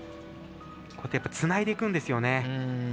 つないでいくんですよね。